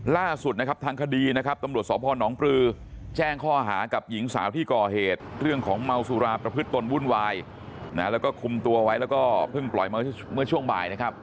ล่าสุดนะครับทางคดีนะครับตำรวจสพนปลือแจ้งข้อหากับหญิงสาวที่ก่อเหตุเรื่องของเมาสุราประพฤติตนวุ่นวายแล้วก็คุมตัวไว้แล้วก็เพิ่งปล่อยมาเมื่อช่วงบ่ายนะครับ